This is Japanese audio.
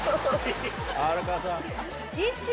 荒川さん。